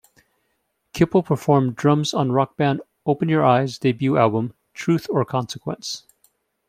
Kippel performed Drums on rock band Open Your Eyes debut album "Truth or Consequence".